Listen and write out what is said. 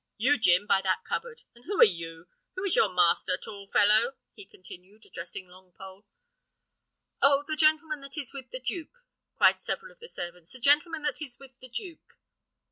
You, Jim, by that cupboard. And who are you? Who is your master, tall fellow?" he continued, addressing Longpole. "Oh! the gentleman that is with the duke," cried several of the servants; "the gentleman that is with the duke."